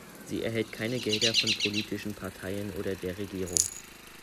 Sie erhält keine Gelder von politischen Parteien oder der Regierung.